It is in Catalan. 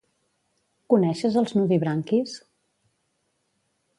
Coneixes els nudibranquis?